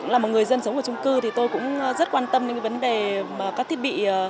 là một người dân sống ở trung cư tôi cũng rất quan tâm đến vấn đề các thiết bị